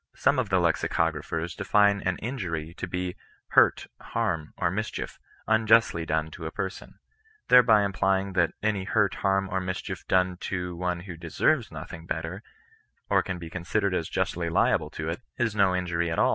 Some of the lexicographers d^ne an « injury*^ to be '' hurt, harm, or mischief, unjustly done to a person ;" thereby implying that any hurt, hum, or mischief done to one who deserves nothing better, or can be considered as justly liable to it, is no injury at aU.